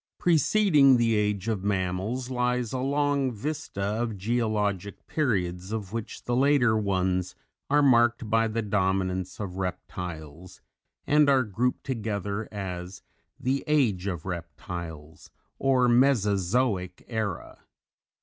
_ Preceding the Age of Mammals lies a long vista of geologic periods of which the later ones are marked by the dominance of Reptiles, and are grouped together as the Age of Reptiles or Mesozoic Era.